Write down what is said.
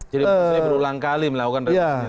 jadi saya berulang kali melakukan rekomendasi